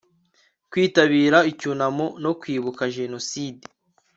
kwitabira icyunamo no kwibuka jenoside